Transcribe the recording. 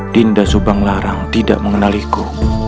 dinda subanglarang tidak mengenaliku